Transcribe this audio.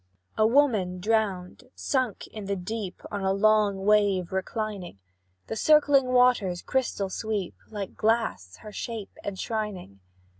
A woman drowned sunk in the deep, On a long wave reclining; The circling waters' crystal sweep, Like glass, her shape enshrining.